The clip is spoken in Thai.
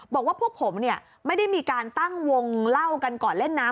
บอกว่าพวกผมเนี่ยไม่ได้มีการตั้งวงเล่ากันก่อนเล่นน้ำ